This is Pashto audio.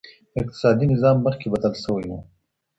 اقتصادي نظام مخکي بدل سوی وو.